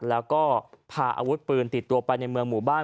แล้วก็พาอาวุธปืนติดตัวไปในเมืองหมู่บ้าน